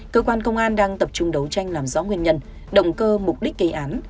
cơ quan công an đang tập trung đấu tranh làm rõ nguyên nhân động cơ mục đích gây án